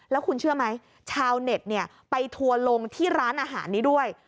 แล้วคุณเชื่อไหมชาวเน็ตไปทัวร์ลงที่ร้านอาหารนี้ด้วย